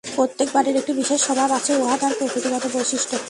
প্রত্যেক ব্যক্তির একটি বিশেষ স্বভাব আছে, উহা তাহার প্রকৃতিগত বৈশিষ্ট্য।